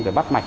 phải bắt mạch